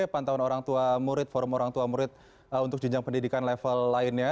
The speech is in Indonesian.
pantauan orang tua murid forum orang tua murid untuk jenjang pendidikan level lainnya